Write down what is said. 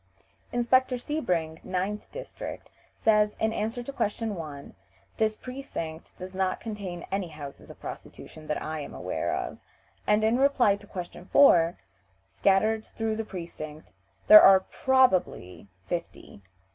Inspector Sebring, 9th district, says, in answer to question 1, "This precinct does not contain any houses of prostitution that I am aware of;" and in reply to question 4: "Scattered through the precinct there are probably fifty."